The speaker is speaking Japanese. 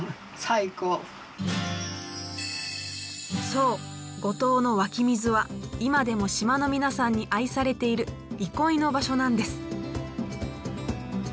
そう五島の湧き水は今でも島の皆さんに愛されている憩いの場所なんです。